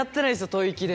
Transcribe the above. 吐息で。